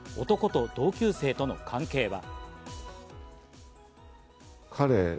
男と同級生との関係は。